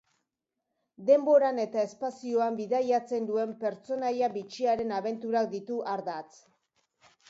Denboran eta espazioan bidaiatzen duen pertsonaia bitxiaren abenturak ditu ardatz.